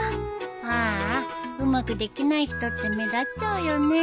ああうまくできない人って目立っちゃうよね